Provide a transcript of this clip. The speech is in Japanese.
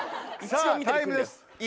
さぁタイムです。